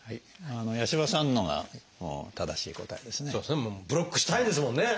もうブロックしたいんですもんね！